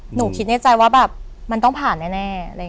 หนูคิดในใจว่าแบบมันต้องผ่านแน่